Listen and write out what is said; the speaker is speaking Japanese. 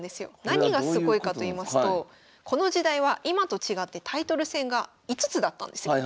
何がすごいかと言いますとこの時代は今と違ってタイトル戦が５つだったんですよ。